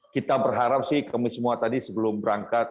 kita berharap sih kami semua tadi sebelum berangkat